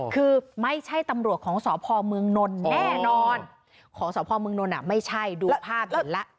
คือไม่ใช่ตำรวจของสพเมืองนนท์แน่นอนของสพเมืองนนท์ไม่ใช่ดูภาพเห็นแล้ว